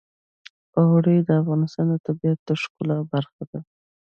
اوړي د افغانستان د طبیعت د ښکلا برخه ده.